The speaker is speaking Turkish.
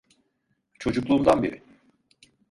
Çocukluğumdan beri.